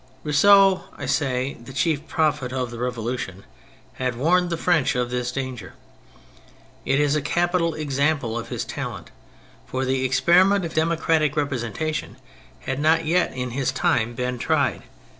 Rousseau, I say, the chief prophet of the Revolution, had warned the French of this danger. It is a capital example of his talent, for the experiment of democratic representation had not yet, in his time, been tried.